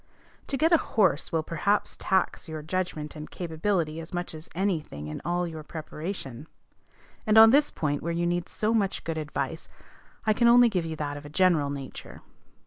To get a horse will perhaps tax your judgment and capability as much as any thing in all your preparation; and on this point, where you need so much good advice, I can only give you that of a general nature.